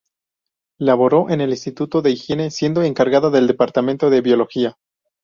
Laboró en el Instituto de Higiene siendo encargada del departamento de biología.